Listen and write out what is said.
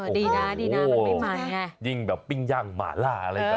ดีนะมันไม่เหมาะ